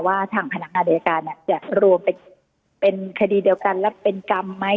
ว่าทางพนักงานอายการจะรวมไปเป็นคดีเดียวกันและเป็นกรรมไหม